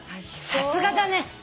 さすがだね。